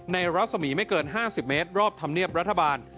รัศมีไม่เกิน๕๐เมตรรอบธรรมเนียบรัฐบาล